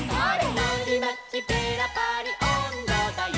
「のりまきペラパリおんどだよ」